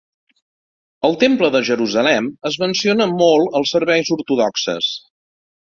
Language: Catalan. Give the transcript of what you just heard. El Temple de Jerusalem es menciona molt als serveis ortodoxes.